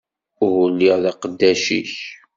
Ur lliɣ d aqeddac-ik.